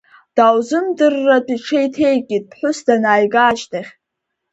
Дааузымдырратә иҽеиҭеикит ԥҳәыс данааига ашьҭахь.